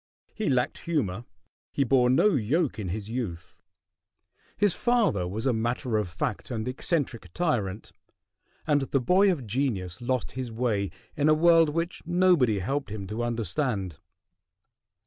He lacked humor, he bore no yoke in his youth, his father was a matter of fact and eccentric tyrant, and the boy of genius lost his way in a world which nobody helped him to understand.